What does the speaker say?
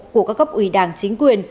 của các cấp ủy đảng chính quyền